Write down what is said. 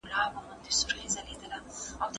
که انجنیر وي نو ودانۍ نه نړیږي.